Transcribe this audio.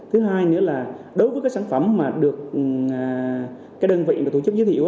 thứ hai nữa là đối với các sản phẩm mà được các đơn vị tổ chức giới thiệu